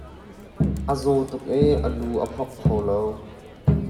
A zaw tuk i a lu a phok kho lo.